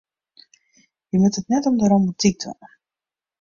Je moatte it net om de romantyk dwaan.